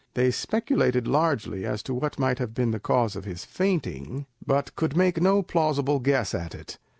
They speculated largely as to what might have been the cause of his fainting, but could make no plausible guess at it.